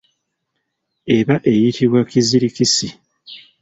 Eba eyitibwa kizirikisi.